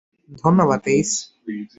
ধন্যবাদ, এইস।